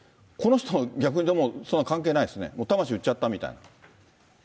この人、逆にでも、そんなの関係ないですね、魂売っちゃったみたいな。